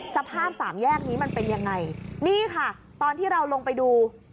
สภาพสามแยกนี้มันเป็นยังไงนี่ค่ะตอนที่เราลงไปดู